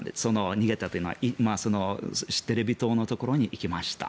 逃げたというのはテレビ塔のところに行きました。